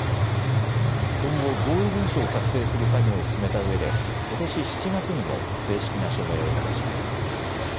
今後、合意文書を作成する作業を進めたうえでことし７月にも正式な署名を目指します。